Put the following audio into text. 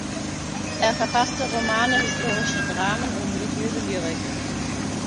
Er verfasste Romane, historische Dramen und religiöse Lyrik.